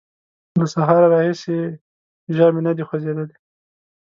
له سهاره راهیسې یې ژامې نه دې خوځېدلې!